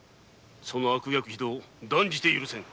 その悪逆非道断じて許せぬ。